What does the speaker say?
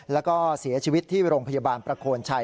แล้วก็เสียชีวิตที่โรงพยาบาลประโคนชัย